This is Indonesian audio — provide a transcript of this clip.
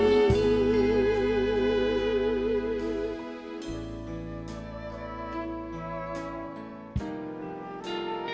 dengan menyebut nama allah